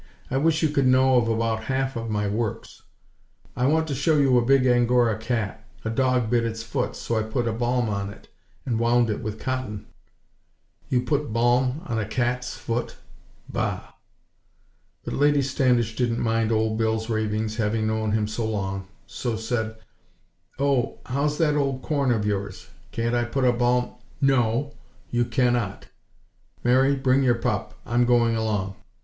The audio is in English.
I wish you could know of about half of my works. I want to show you a big Angora cat. A dog bit its foot so I put a balm on it and wound it with cotton " "You put balm on a cat's foot!! Bah!" But Lady Standish didn't mind Old Bill's ravings having known him so long; so said: "Oh, how's that old corn of yours? Can't I put a balm " "No! You cannot! Mary, bring your pup; I'm going along."